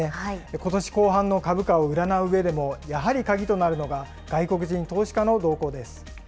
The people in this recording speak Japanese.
ことし後半の株価を占ううえでもやはり鍵となるのが外国人投資家